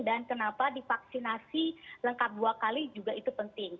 dan kenapa divaksinasi lengkap dua kali juga itu penting